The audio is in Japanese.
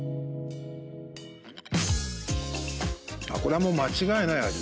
これはもう間違いない味。